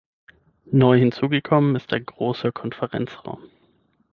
Neu hinzugekommen ist ein großer Konferenzraum.